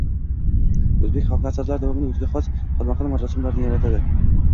o’zbek xalqi asrlar davomida o’ziga xos xilma-xil marosimlarni yaratdi.